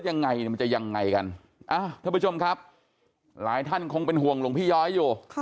ยังไงเนี่ยมันจะยังไงกันท่านผู้ชมครับหลายท่านคงเป็นห่วงหลวงพี่ย้อยอยู่